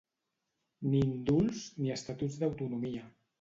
Ni indults, ni estatuts d’autonomia.